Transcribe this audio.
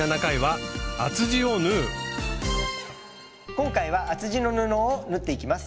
今回は厚地の布を縫っていきます。